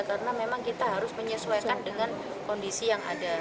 karena memang kita harus menyesuaikan dengan kondisi yang ada